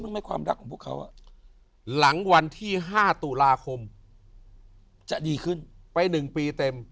มันมีมีความรักของพวกเขาอ่ะหลังวันที่๕ศุราคมจะดีขึ้นไปหนึ่งปีเต็ม